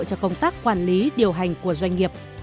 cho công tác quản lý điều hành của doanh nghiệp